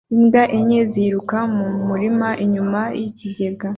Imbwa enye ziruka mu murima inyuma yikigega